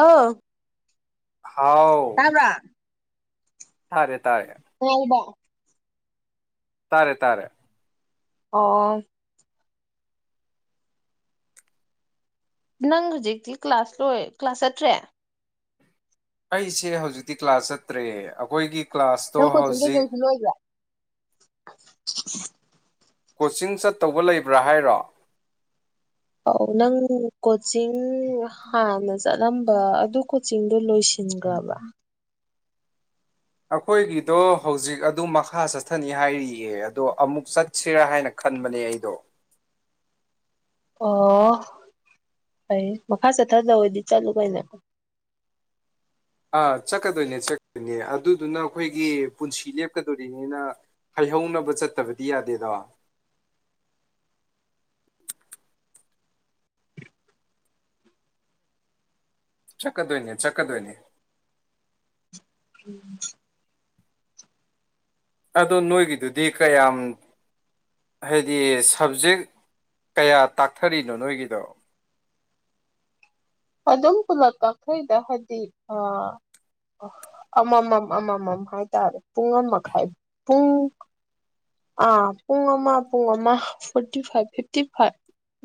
ꯑꯥꯎ ꯍꯥꯎ ꯇꯥꯕ꯭ꯔꯥ ꯇꯥꯔꯦ ꯇꯥꯔꯦ ꯉꯥꯏꯕ ꯇꯥꯔꯦ ꯇꯥꯔꯦ ꯑꯣ ꯅꯪ ꯍꯧꯖꯤꯛꯇꯤ ꯀ꯭ꯂꯥꯁ ꯂꯣꯏ ꯀ꯭ꯂꯥꯁ ꯆꯠꯇ꯭ꯔꯦ ꯑꯩꯁꯦ ꯍꯧꯖꯤꯛꯇꯤ ꯀ꯭ꯂꯥꯁ ꯆꯠꯇ꯭ꯔꯦ ꯑꯩꯈꯣꯏꯒꯤ ꯀ꯭ꯂꯥꯁꯇꯣ ꯅꯪ ꯀꯣꯆꯤꯡꯗꯣ ꯍꯧꯖꯤꯛ ꯂꯣꯏꯗꯤ ꯂꯣꯏꯒ꯭ꯔꯦ [inaudible] ꯀꯣꯆꯤꯡ ꯆꯠꯇꯧꯕ ꯂꯩꯕ꯭ꯔꯥ ꯍꯥꯏꯔꯣ ꯑꯧ ꯅꯪ ꯀꯣꯆꯤꯡ ꯍꯥꯟꯅ ꯆꯠꯂꯝꯕ ꯑꯗꯨ ꯀꯣꯆꯤꯡꯗꯨ ꯂꯣꯏꯁꯤꯒ꯭ꯔꯕ꯭ꯔ ꯑꯩꯈꯣꯏꯒꯤꯗꯣ ꯍꯧꯖꯤꯛ ꯑꯗꯨꯝ ꯃꯈꯥ ꯆꯠꯊꯅꯤ ꯍꯥꯏꯔꯤꯌꯦ ꯑꯗꯣ ꯑꯃꯨꯛ ꯆꯠꯁꯤꯔꯥ ꯍꯥꯏꯅ ꯈꯟꯕꯅꯦ ꯑꯩꯗꯣ ꯑꯣ ꯐꯩ ꯃꯈꯥ ꯆꯠꯊꯗꯧ ꯑꯣꯏꯗꯤ ꯆꯠꯂꯨ ꯀꯩꯅꯣ ꯑꯥ ꯆꯠꯀꯗꯣꯏꯅꯦ ꯆꯠꯀꯗꯣꯏꯅꯦ ꯑꯗꯨꯗꯨꯅ ꯑꯩꯈꯣꯏꯒꯤ ꯄꯨꯟꯁꯤ ꯂꯦꯞꯀꯗꯣꯔꯤꯅꯤꯅ ꯍꯩꯍꯧꯅꯕ ꯆꯠꯇꯕꯗꯤ ꯌꯥꯗꯦꯗꯣ ꯆꯠꯗꯣꯏꯅꯦ ꯆꯠꯀꯗꯣꯏꯅꯦ ꯎꯝ ꯑꯗꯣ ꯅꯣꯏꯒꯤꯗꯨꯗꯤ ꯀꯌꯥꯝ ꯍꯥꯏꯗꯤ ꯁꯕꯖꯦꯛ ꯀꯌꯥ ꯇꯥꯛꯊꯔꯤꯅꯣ ꯅꯣꯏꯒꯤꯗꯣ ꯑꯗꯨꯝ ꯄꯨꯂꯞ ꯇꯥꯛꯊꯩꯗ ꯍꯥꯏꯗꯤꯑ ꯑꯃꯃꯝ ꯑꯃꯃꯝ ꯍꯥꯏꯇꯥꯔꯦ ꯄꯨꯡ ꯑꯃꯥꯃꯈꯥꯏ ꯄꯨꯡ ꯑ ꯄꯨꯡ ꯑꯃ ꯄꯨꯡ ꯑꯃ ꯐꯣꯔꯇꯤ ꯐꯥꯏꯚ ꯐꯤꯐꯇꯤ ꯐꯥꯏꯚ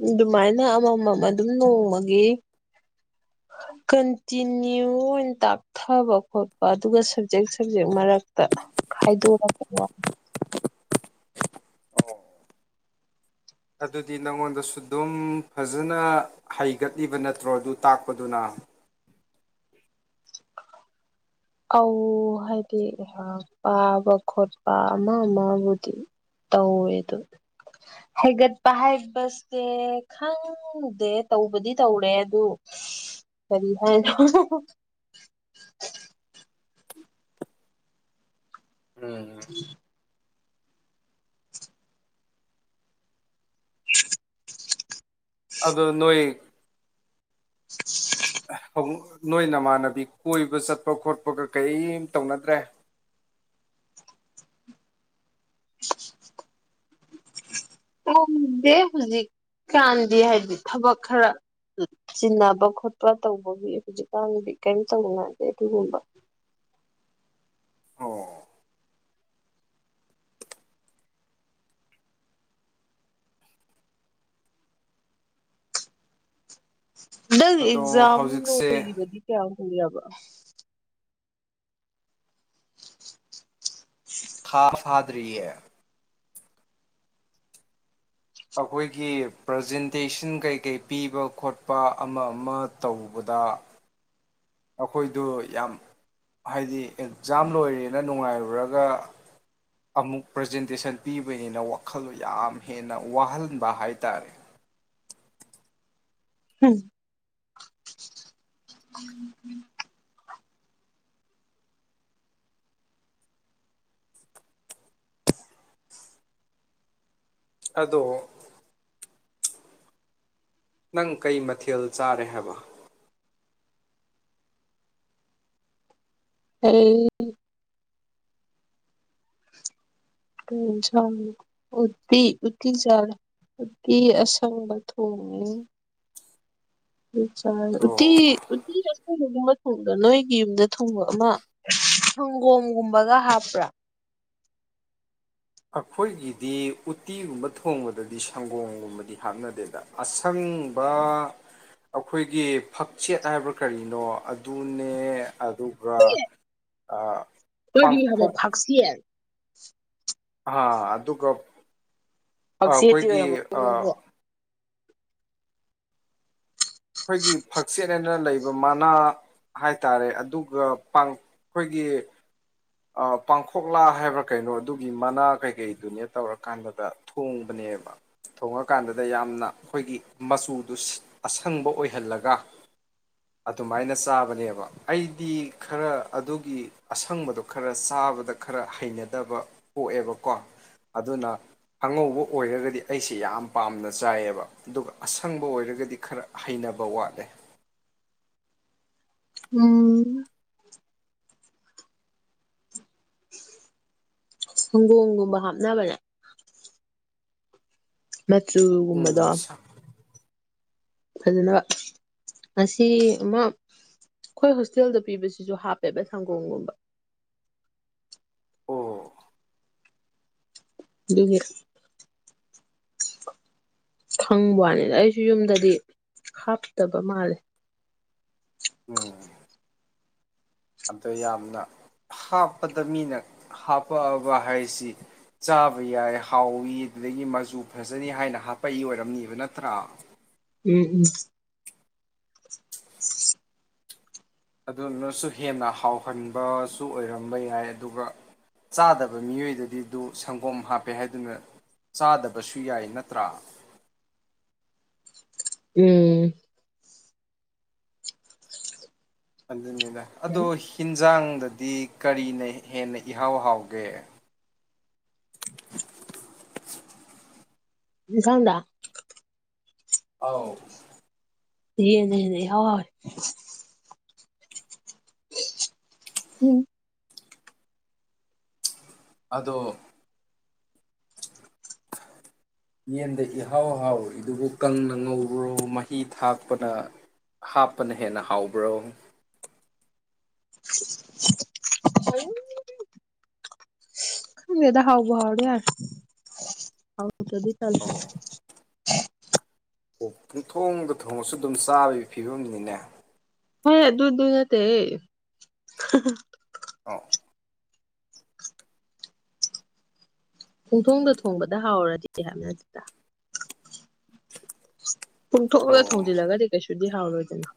ꯑꯗꯨꯃꯥꯏꯅ ꯑꯃꯃꯝ ꯑꯗꯨꯝ ꯅꯣꯡꯃꯒꯤ ꯀꯟꯇꯤꯅ꯭ꯌꯨ ꯑꯣꯏꯅ ꯇꯥꯛꯊꯕ ꯈꯣꯠꯄ ꯑꯗꯨꯒ ꯁꯞꯖꯦꯛ ꯁꯞꯖꯦꯛ ꯃꯔꯛꯇ ꯈꯥꯏꯗꯣꯔꯛꯄ ꯀꯣ ꯑꯗꯨꯗꯤ ꯅꯪꯉꯣꯟꯗꯁꯨ ꯑꯗꯨꯝ ꯐꯖꯅ ꯍꯩꯒꯠꯂꯤꯕ ꯅꯠꯇ꯭ꯔꯣ ꯑꯗꯨ ꯇꯥꯛꯄꯗꯨꯅ ꯍꯧ ꯍꯥꯏꯗꯤ ꯄꯥꯕ ꯈꯣꯠꯄ ꯑꯃ ꯑꯃꯕꯨꯗꯤ ꯇꯧꯋꯦ ꯑꯗꯨ ꯍꯥꯏꯒꯠꯄ ꯍꯥꯏꯕꯁꯦ ꯈꯪꯗꯦ ꯇꯧꯕꯗꯤ ꯇꯧꯔꯦ ꯑꯗꯨ ꯀꯔꯤ ꯍꯥꯏꯅꯣ ꯎꯝ [inaudible] [inaudible] ꯑꯗ ꯅꯣꯏ ꯑꯦ ꯑꯃꯨꯛ ꯅꯣꯏ ꯅꯃꯥꯟꯅꯕꯤ ꯀꯣꯏꯕ ꯆꯠꯄ ꯈꯣꯠꯄꯒ ꯀꯔꯤꯝ ꯇꯧꯅꯗ꯭ꯔꯦ ꯈꯪꯗꯦ ꯍꯧꯖꯤꯛꯀꯥꯟꯗꯤ ꯍꯥꯏꯕꯗꯤ ꯊꯕꯛ ꯈꯔ ꯆꯤꯟꯅꯕ ꯈꯣꯠꯄ ꯇꯧꯕꯒꯤ ꯍꯧꯖꯤꯛꯀꯥꯟꯗꯗꯤ ꯀꯔꯤꯝ ꯇꯧꯅꯗꯦ ꯑꯗꯨꯒꯨꯝꯕ ꯑꯣ ꯅꯪ ꯑꯗꯣ ꯑꯦꯛꯖꯝ ꯍꯧꯖꯤꯛꯁꯦ ꯂꯣꯏꯕꯒꯤ ꯀꯌꯥ ꯀꯨꯢꯔꯕ ꯊꯥ ꯐꯥꯗꯔꯤꯑꯦ ꯑꯩꯈꯣꯏꯒꯤ ꯄ꯭ꯔꯖꯦꯟꯇꯦꯁꯟ ꯀꯩꯀꯩ ꯄꯤꯕ ꯈꯣꯠꯄ ꯑꯃ ꯑꯃ ꯇꯧꯕꯗ ꯑꯩꯈꯣꯏꯗꯨ ꯌꯥꯝ ꯍꯥꯏꯗꯤ ꯑꯦꯛꯖꯥꯝ ꯂꯣꯏꯔꯦꯅ ꯅꯨꯡꯉꯥꯏꯔꯨꯔꯒ ꯑꯃꯨꯛ ꯄ꯭ꯔꯖꯦꯟꯇꯦꯁꯟ ꯄꯤꯕꯅꯤꯅ ꯋꯥꯈꯜꯗꯣ ꯌꯥꯝ ꯍꯦꯟꯅ ꯋꯥꯍꯟꯕ ꯍꯥꯏ ꯇꯥꯔꯦ ꯎꯝ ꯑꯗꯣ ꯅꯪ ꯀꯩ ꯃꯊꯦꯜ ꯆꯥꯔꯦ ꯍꯥꯏꯕ ꯑꯩ ꯀꯩ ꯏꯟꯁꯥꯡ ꯎꯇꯤ ꯎꯗꯤꯆꯥꯔꯦ ꯎꯇꯤ ꯑꯁꯪꯕ ꯊꯣꯡꯉꯦ ꯆꯥꯔꯦ ꯎꯇꯤ ꯑꯣ ꯎꯇꯤꯗꯡ [unintelligible] ꯊꯣꯡꯗꯣ ꯅꯣꯏꯒꯤ ꯌꯨꯝꯗ ꯊꯣꯡꯕ ꯑꯃ ꯁꯪꯒꯣꯝꯒꯨꯝꯕꯒ ꯍꯥꯞꯄ꯭ꯔꯥ ꯑꯩꯈꯣꯏꯒꯤꯗꯤ ꯎꯇꯤꯒꯨꯝꯕ ꯊꯣꯡꯕꯗꯗꯤ ꯁꯪꯒꯣꯝꯒꯨꯝꯕꯗꯤ ꯍꯥꯞꯅꯗꯦꯗ ꯑꯁꯪꯕ ꯑꯩꯈꯣꯏꯒꯤ ꯐꯛꯆꯦꯠ ꯍꯥꯏꯕ꯭ꯔꯥ ꯀꯔꯤꯅꯣ ꯑꯗꯨꯅꯦ ꯑꯗꯨ ꯏꯑꯦ ꯑꯥ [unintelligible] [inaudible] ꯑꯥ ꯑꯗꯨꯒ ꯄꯛꯁꯦꯠꯇꯤ ꯑꯩꯈꯣꯏꯒꯤ ꯑꯣꯏꯔꯝꯃꯣꯏꯗ ꯅꯪꯁꯨ ꯑꯩꯈꯣꯏꯒꯤ ꯑꯩꯈꯣꯏꯒꯤ ꯐꯛꯆꯦꯠ ꯍꯥꯏꯅ ꯂꯩꯕ ꯃꯅꯥ ꯍꯥꯏ ꯇꯔꯦ ꯑꯗꯨꯒ ꯄꯥꯡ ꯑꯩꯈꯣꯏꯒꯤ ꯑ ꯄꯥꯡꯈꯣꯛꯂꯥ ꯍꯥꯏꯕ꯭ꯔꯥ ꯀꯩꯅꯣ ꯑꯗꯨꯒꯤ ꯃꯅꯥ ꯀꯩꯀꯩꯗꯨꯅꯦ ꯇꯧꯔꯀꯥꯟꯗ ꯊꯣꯡꯕꯅꯦꯕ ꯊꯣꯡꯉꯀꯥꯟꯗ ꯌꯥꯝꯅ ꯑꯩꯈꯣꯏꯒꯤ ꯃꯆꯨꯗꯨ ꯑꯁꯪꯕ ꯑꯣꯏꯍꯜꯂꯒ ꯑꯗꯨꯃꯥꯏꯅ ꯆꯥꯕꯅꯦꯕ ꯑꯩꯗꯤ ꯈꯔ ꯑꯗꯨꯒꯤ ꯑꯁꯪꯕꯗꯣ ꯈꯔ ꯆꯥꯕꯗ ꯈꯔ ꯍꯩꯅꯗꯕ ꯄꯣꯛꯑꯦꯕꯀꯣ ꯑꯗꯨꯅ ꯑꯉꯧꯕ ꯑꯣꯏꯔꯒꯗꯤ ꯑꯩꯁꯦ ꯌꯥꯝ ꯄꯥꯝꯅ ꯆꯥꯏꯑꯦꯕ ꯑꯗꯨꯒ ꯑꯁꯪꯕ ꯑꯣꯏꯔꯒꯗꯤ ꯈꯔ ꯍꯩꯅꯕ ꯋꯥꯠꯂꯦ ꯎꯝ ꯁꯪꯒꯣꯝꯒꯨꯝꯕ ꯍꯥꯞꯅꯕꯅꯦ ꯃꯆꯨꯒꯨꯝꯕꯗꯣ ꯎꯝ ꯁꯥ ꯐꯖꯅꯕ ꯑꯁꯤ ꯑꯃ ꯑꯩꯈꯣꯏ ꯍꯣꯁꯇꯦꯜꯗ ꯄꯤꯕꯁꯤꯁꯨ ꯍꯥꯞꯄꯦꯕ ꯁꯪꯒꯣꯝꯒꯨꯝꯕ ꯑꯣ ꯂꯤꯒꯦ ꯈꯪꯕꯋꯅꯤꯗ ꯑꯩꯁꯨ ꯌꯨꯝꯗꯗꯤ ꯍꯥꯞꯇꯕ ꯃꯥꯜꯂꯦ ꯎꯝ ꯑꯗꯣ ꯌꯥꯝꯅ ꯍꯥꯞꯄꯗ ꯃꯤꯅ ꯍꯥꯄꯛꯑꯕ ꯍꯥꯏꯁꯤ ꯆꯥꯕ ꯌꯥꯏ ꯍꯥꯎꯏꯤ ꯑꯗꯨꯗꯒꯤ ꯃꯆꯨ ꯐꯖꯩ ꯍꯥꯏꯅ ꯍꯥꯞꯄꯛꯏ ꯑꯣꯏꯔꯝꯅꯤꯕ ꯅꯠꯇ꯭ꯔꯥ ꯎꯝ ꯎꯝ ꯑꯗꯨꯅꯁꯨ ꯍꯦꯟꯅ ꯍꯥꯎꯍꯟꯕꯁꯨ ꯑꯣꯏꯔꯝꯕ ꯌꯥꯏ ꯑꯗꯨꯒ ꯆꯥꯗꯕ ꯃꯤꯑꯣꯏꯗꯗꯤꯗꯨ ꯁꯪꯒꯣꯝ ꯍꯥꯞꯄꯦ ꯍꯥꯏꯗꯨꯅ ꯆꯥꯗꯕꯁꯨ ꯌꯥꯏ ꯅꯠꯇ꯭ꯔꯥ ꯎꯝ ꯑꯗꯨꯅꯤ ꯑꯗꯣ ꯌꯥꯝ ꯍꯤꯟꯖꯥꯡ ꯗꯗꯤ ꯀꯔꯤꯅ ꯍꯦꯟꯅ ꯏꯍꯥꯎ ꯍꯥꯎꯒꯦ ꯏꯟꯁꯥꯡꯗ ꯑꯥꯎ ꯌꯦꯟꯅ ꯍꯦꯟꯅ ꯏꯍꯥꯎ ꯍꯥꯎꯏ ꯎꯝ ꯑꯗꯣ ꯌꯦꯟꯗ ꯏꯍꯥꯎ ꯍꯥꯎꯔꯤꯗꯨꯕꯨ ꯀꯪꯅ ꯉꯧꯕ꯭ꯔꯣ ꯃꯍꯤ ꯊꯥꯛꯄꯅ ꯍꯥꯞꯄꯅ ꯍꯦꯟꯅ ꯍꯥꯎꯕ꯭ꯔꯣ ꯈꯪꯗꯦꯗ ꯍꯥꯎꯕꯨ ꯍꯥꯔꯗꯤ ꯌꯥꯔꯦ ꯑꯗꯨꯗꯤ ꯇꯜ [inaudible] ꯑꯣ ꯑꯣ ꯄꯨꯡ ꯊꯣꯡꯗ ꯊꯣꯡꯉꯁꯨ ꯑꯗꯨꯝ ꯆꯥꯕꯒꯤ ꯐꯤꯕꯝꯅꯤꯅꯦ ꯍꯣꯢ ꯑꯗꯨ ꯗꯨ ꯅꯠꯇꯦ ꯍꯦ ꯍꯥ ꯍꯥ ꯑꯥꯎ ꯄꯨꯡꯊꯣꯡꯗ ꯊꯣꯡꯕꯗ ꯍꯥꯎꯔꯗꯤ ꯍꯥꯏꯕ ꯅꯠꯇꯦꯗ ꯄꯨꯨꯛ ꯊꯣꯡꯒ ꯑꯣ ꯊꯣꯡꯖꯤꯜꯂꯒꯗꯤ ꯀꯩꯁꯨꯗꯤ ꯍꯥꯎꯔꯣꯏꯗꯅ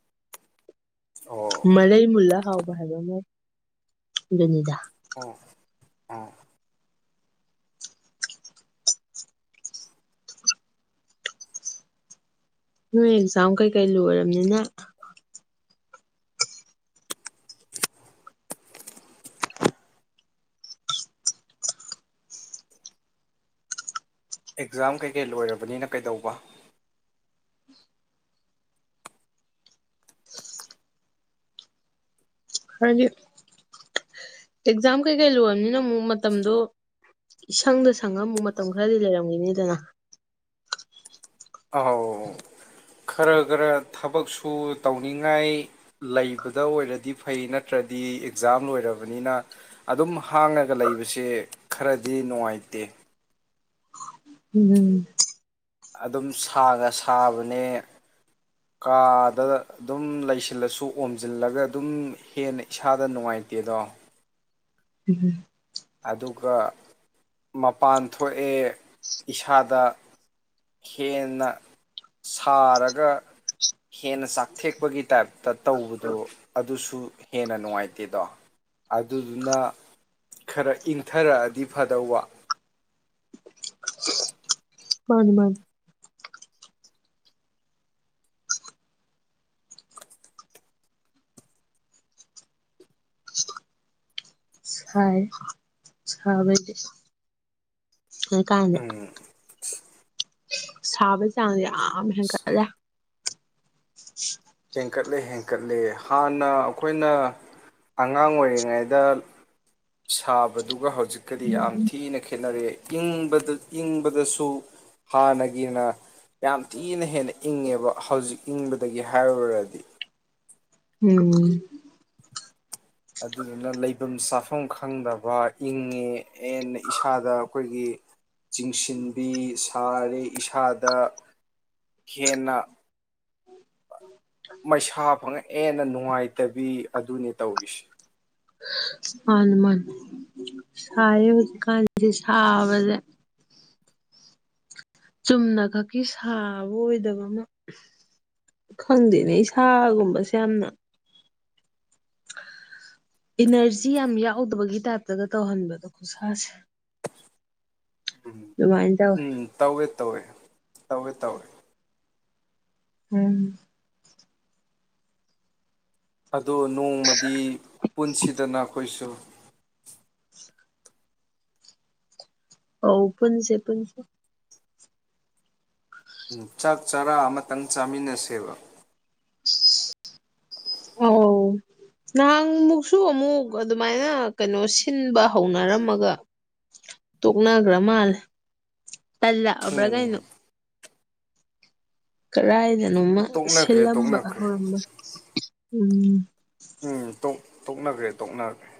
ꯑꯣ ꯃꯔꯩ ꯃꯨꯜꯂ ꯍꯥꯎ ꯍꯥꯏꯕ ꯑꯃ ꯑꯗꯨꯅꯤꯗ ꯑꯣ ꯑꯣ ꯅꯣꯏ ꯑꯦꯛꯖꯥꯝ ꯀꯩꯀꯩ ꯂꯣꯏꯔꯝꯅꯤꯅ ꯑꯦꯛꯖꯥꯝ ꯀꯩꯀꯩ ꯂꯣꯏꯔꯕꯅꯤꯅ ꯀꯩꯗꯧꯕ ꯍꯥꯏꯗꯤ ꯑꯦꯛꯖꯥꯝ ꯀꯩꯀꯩ ꯂꯣꯏꯔꯕꯅꯤꯅ ꯑꯃꯨꯛ ꯃꯇꯝꯗꯣ ꯏꯁꯪꯗ ꯁꯪꯉꯒ ꯑꯃꯨꯛ ꯃꯇꯝ ꯈꯔꯗꯤ ꯂꯩꯔꯝꯒꯤꯅꯤꯗꯅ ꯑꯧ ꯈꯔ ꯈꯔ ꯊꯕꯛꯁꯨ ꯇꯧꯅꯤꯡꯉꯥꯏ ꯂꯩꯕꯗ ꯑꯣꯏꯔꯗꯤ ꯐꯩ ꯅꯠꯇ꯭ꯔꯗꯤ ꯑꯦꯛꯖꯥꯝ ꯂꯣꯏꯔꯕꯅꯤꯅ ꯑꯗꯨꯝ ꯍꯥꯡꯉꯒ ꯂꯩꯕꯁꯦ ꯈꯔꯗꯤ ꯅꯨꯡꯉꯥꯏꯇꯦ ꯎꯝ ꯑꯗꯨꯝ ꯁꯥꯒ ꯁꯥꯕꯅꯦ ꯀꯥꯗ ꯑꯗꯨꯝ ꯂꯩꯁꯤꯜꯂꯁꯨ ꯑꯣꯝꯖꯤꯜꯂꯒ ꯑꯗꯨꯝ ꯍꯦꯟꯅ ꯏꯁꯥꯗ ꯅꯨꯡꯉꯥꯏꯇꯦꯗꯣ ꯎꯝ ꯑꯗꯨꯒ ꯃꯄꯥꯟ ꯊꯣꯛꯑꯦ ꯏꯁꯥꯗ ꯍꯦꯟꯅ ꯁꯥꯔꯒ ꯍꯦꯟꯅ ꯆꯥꯛꯊꯦꯛꯄꯒꯤ ꯇꯥꯏꯞꯇ ꯇꯧꯕꯗꯣ ꯑꯗꯨꯁꯨ ꯍꯦꯟꯅ ꯅꯨꯡꯉꯥꯏꯇꯦꯗꯣ ꯑꯗꯨꯗꯨꯅ ꯈꯔ ꯏꯪꯊꯔꯛꯑꯗꯤ ꯐꯗꯧꯕ ꯃꯥꯅꯤ ꯃꯥꯅꯤ ꯁꯥꯏ ꯁꯕꯩꯗꯤ ꯍꯧꯖꯤꯛ ꯀꯥꯟꯁꯦ ꯎꯝ ꯁꯥꯕꯩ ꯆꯥꯡꯁꯦ ꯌꯥꯝ ꯍꯦꯟꯒꯠꯂꯦ ꯍꯦꯟꯀꯠꯂꯦ ꯍꯦꯟꯀꯠꯂꯦ ꯍꯥꯟꯅ ꯑꯩꯈꯣꯏꯅ ꯑꯉꯥꯡ ꯑꯣꯏꯔꯤꯉꯩꯗ ꯁꯥꯕꯗꯨꯒ ꯍꯧ ꯍꯧꯖꯤꯛꯀꯗꯤ ꯌꯥꯝ ꯊꯤꯅ ꯈꯦꯠꯅꯔꯦ ꯏꯪꯕꯗ ꯏꯪꯕꯗꯁꯨ ꯍꯥꯟꯅꯒꯤꯅ ꯌꯥꯝ ꯊꯤꯅ ꯍꯦꯟꯅ ꯏꯪꯉꯦꯕ ꯍꯧꯖꯤꯛ ꯏꯪꯕꯗꯒꯤ ꯍꯥꯏꯔꯨꯔꯗꯤ ꯎꯝ ꯑꯗꯨꯗꯨꯅ ꯂꯩꯕꯝ ꯆꯥꯐꯝ ꯈꯪꯗꯕ ꯏꯪꯉꯦ ꯍꯦꯟꯅ ꯏꯁꯥꯗ ꯑꯩꯈꯣꯏꯒꯤ ꯆꯤꯡꯁꯤꯟꯕꯤ ꯁꯥꯔꯦ ꯏꯁꯥꯗ ꯍꯦꯟꯅ ꯃꯩꯁꯥ ꯐꯪꯉ ꯍꯦꯟꯅ ꯅꯨꯡꯉꯥꯏꯇꯕꯤ ꯑꯗꯨꯅꯤ ꯇꯧꯔꯤꯁꯦ ꯍꯅꯨꯃꯥꯟ ꯁꯥꯔꯦ ꯍꯧꯖꯤꯛꯀꯥꯟꯁꯤ ꯁꯥꯕꯗ ꯆꯨꯝꯅ ꯈꯛꯀꯤ ꯁꯥꯕ ꯑꯣꯏꯗꯕ ꯑꯃ ꯈꯪꯗꯦꯅꯦ ꯏꯁꯥꯒꯨꯝꯕꯁꯦ ꯌꯥꯝꯅ ꯏꯅꯔꯖꯤ ꯌꯥꯝ ꯌꯥꯎꯗꯕꯒꯤ ꯇꯥꯏꯞꯇꯒ ꯇꯧꯍꯟꯕꯗꯣ ꯢꯁꯥꯁꯦ ꯎꯝ ꯇꯧꯋꯦ ꯎꯝ ꯇꯧꯋꯦ ꯇꯧꯋꯦ ꯇꯧꯋꯦ ꯇꯧꯋꯦ ꯎꯝ ꯑꯗꯣ ꯅꯣꯡꯃꯗꯤ ꯄꯨꯟꯁꯤꯗꯅ ꯑꯩꯈꯣꯏꯁꯨ [inaudible] ꯑꯧ ꯄꯨꯟꯁꯦ ꯄꯨꯟꯁꯦ ꯆꯥꯛ ꯆꯥꯔꯥ ꯑꯃꯇꯪ ꯆꯥꯃꯤꯟꯅꯁꯦꯕ ꯑꯧ ꯅꯍꯥꯟ ꯃꯨꯛꯁꯨ ꯑꯃꯨꯛ ꯑꯗꯨꯃꯥꯏꯅ ꯀꯩꯅꯣ ꯁꯤꯟꯕ ꯍꯧꯅꯔꯝꯃꯒ ꯇꯣꯛꯅꯈ꯭ꯔ ꯃꯥꯜꯂꯦ ꯇꯂꯛꯑꯕ꯭ꯔ ꯎꯝ ꯀꯩꯅꯣ ꯀꯔꯥꯢꯗ ꯅꯣꯡꯃ ꯇꯣꯛꯅꯈ꯭ꯔꯦ ꯁꯤꯜꯂꯝꯕ ꯇꯣꯛꯅꯈ꯭ꯔꯦ ꯍꯧꯔꯝꯕ ꯎꯝ ꯎꯝ ꯇꯣꯛ ꯇꯣꯛꯅꯈ꯭ꯔꯦ ꯇꯣꯛꯅꯈ꯭ꯔꯦ